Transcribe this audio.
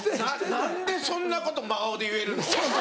何でそんなこと真顔で言えるの？